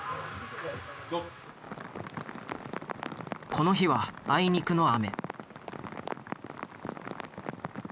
この日はあいにくの雨。